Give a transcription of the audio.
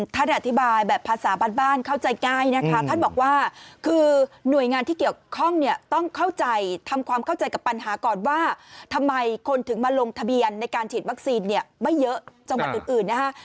ท่านอธิบายแบบภาษาบ้านเข้าใจง่ายนะคะท่านบอกว่าคือหน่วยงานที่เกี่ยวข้องเนี่ยต้องเข้าใจทำความเข้าใจกับปัญหาก่อนว่าทำไมคนถึงมาลงทะเบียนในการฉีดวัคซีนเนี่ยไม่เยอะจังหวัดอื่นนะคะ